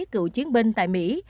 cựu chiến binh tại mỹ